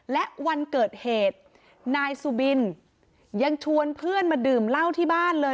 และวันเกิดเหตุนายสุบินยังชวนเพื่อนมาดื่มเหล้าที่บ้านเลย